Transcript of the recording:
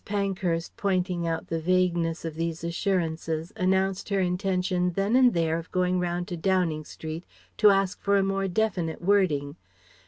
Pankhurst pointing out the vagueness of these assurances announced her intention then and there of going round to Downing Street to ask for a more definite wording.